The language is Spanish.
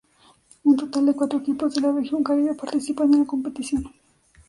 Un total de cuatro equipos de la Región Caribe participan en la competición.